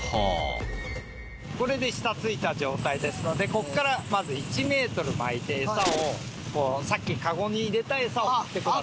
これで下ついた状態ですのでここからまず１メートル巻いてエサをさっきカゴに入れたエサを振ってください。